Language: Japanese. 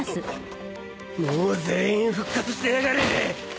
もう全員復活してやがる！